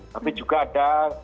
tapi juga ada